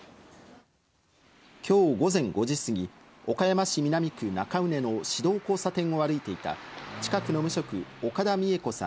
今日午前５時すぎ、岡山市南区中畦の市道交差点を歩いていた近くの無職、岡田美枝子さん